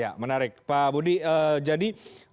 ya menarik pak budi jadi